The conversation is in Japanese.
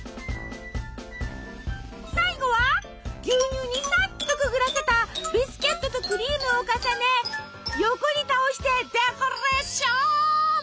最後は牛乳にさっとくぐらせたビスケットとクリームを重ね横に倒してデコレーション！